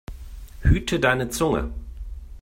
Hüte deine Zunge!